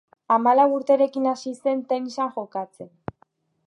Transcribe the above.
Hamalau urterekin hasi zen tenisean jokatzen.